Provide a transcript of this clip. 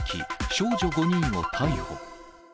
少女５人を逮捕。